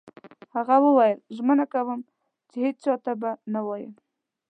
هغه وویل: ژمنه کوم چي هیڅ چا ته به نه وایم.